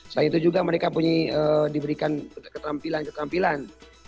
selain itu juga mereka punya diberikan ketampilan ketampilan